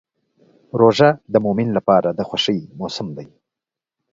روژه د مؤمن لپاره د خوښۍ موسم دی.